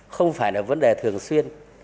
không phải là vấn đề thường xuyên